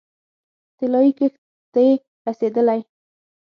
طلايي کښت دې رسیدلی